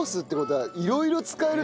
はい。